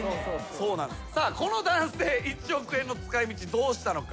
さあこの男性１億円の使い道どうしたのか？